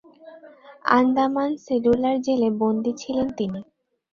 Andaman cellular জেলে বন্দী ছিলেন তিনি।